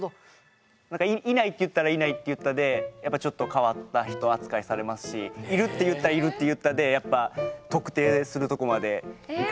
いないって言ったらいないって言ったでちょっと変わった人扱いされますしいるって言ったらいるって言ったで特定するとこまでいかれるんで。